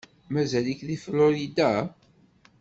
Mazal-ik deg Florida?